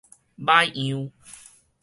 䆀樣